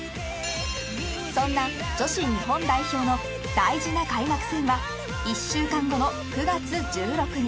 ［そんな女子日本代表の大事な開幕戦は１週間後の９月１６日］